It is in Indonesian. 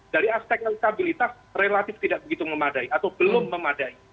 dari aspek elektabilitas relatif tidak begitu memadai atau belum memadai